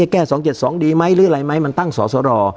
แก้๒๗๒ดีไหมหรืออะไรไหมมันตั้งสอสร